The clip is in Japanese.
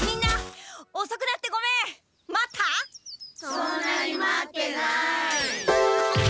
そんなに待ってない。